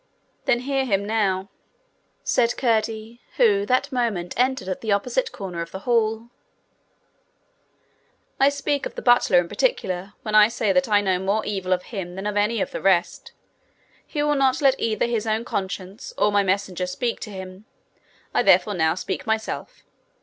'Then hear him now,' said Curdie, who that moment entered at the opposite corner of the hall. 'I speak of the butler in particular when I say that I know more evil of him than of any of the rest. He will not let either his own conscience or my messenger speak to him: I therefore now speak myself.